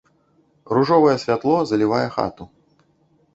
Ружовае святло залівае хату.